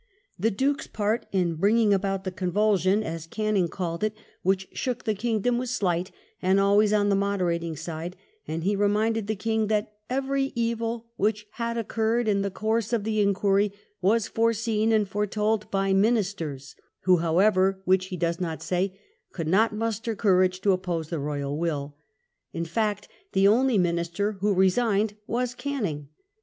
The Duke's part in bringing about the "convulsion," as Canning 230 WELLINGTON chap. called it, which shook the kingdom, was slight and always on the moderating side; and he reminded the King that *' everj evil which had occurred in the course of the inquiry was foreseen and foretold by Ministers," who, however, which he does not say, could not muster courage to oppose the royal will In fact, the^ only Minister who resigned was Canning.